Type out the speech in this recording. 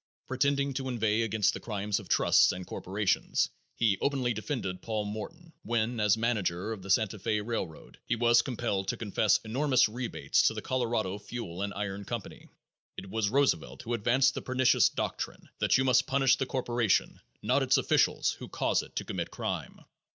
Pretending to inveigh against the crimes of trusts and corporations, he openly defended Paul Morton, when, as manager of the Santa Fe railroad, he was compelled to confess enormous rebates to the Colorado Fuel and Iron Company. It was Roosevelt who advanced the pernicious doctrine that you must punish the corporation, not its officials who cause it to commit crime.